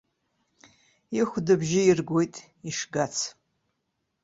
Ихәда абжьы иргоит ишгац.